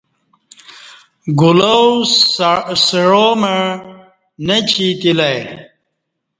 گلاو سعامع نہ چی تِلہ ای